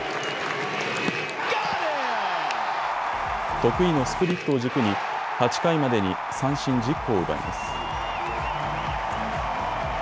得意のスプリットを軸に８回までに三振１０個を奪います。